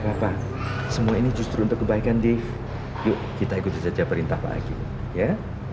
apa apa semua ini justru untuk kebaikan di kita ikuti saja perintah pak ya